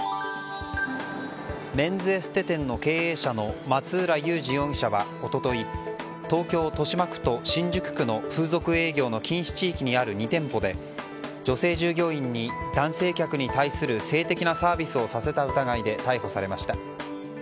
メンズエステ店の経営者の松浦裕仁容疑者は一昨日東京・豊島区と新宿区の風俗営業の禁止地域にある２店舗で女性従業員に男性客に対する性的なサービスをさせた疑いで逮捕されました。